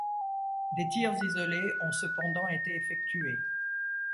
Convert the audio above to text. Des tirs isolés ont cependant été effectués.